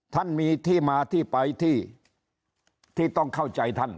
ท่านมีที่มาที่ไปที่ต้องเข้าใจท่าน